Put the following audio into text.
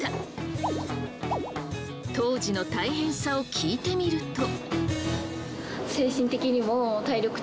当時の大変さを聞いてみると。